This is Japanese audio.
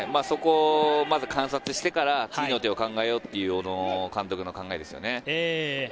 そこをまず観察してから考えようという監督の考えですねん。